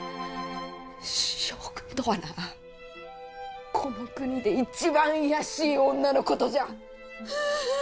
将軍とはなこの国で一番卑しい女のことじゃ！